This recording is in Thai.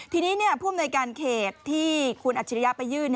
ทีนี้ผู้อำนวยการเขตที่คุณอัจฉริยะไปยื่น